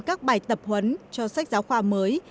các bài tập huấn cho sách giáo khoa mới